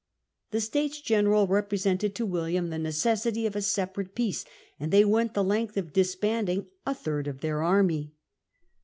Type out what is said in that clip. The States General represented to William the necessity of a separate peace, and they went the length of disbanding a third of their army.